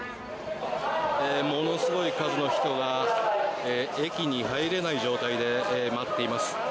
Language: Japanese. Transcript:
ものすごい数の人が駅に入れない状態で待っています。